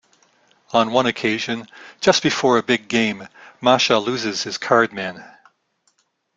On one occasion, just before a big game, Macha loses his card man.